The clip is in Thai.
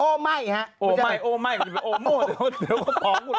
โอไหม่โอไหม่โอโม่เดี๋ยวเขาพองกัน